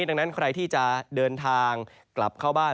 ดังนั้นใครที่จะเดินทางกลับเข้าบ้าน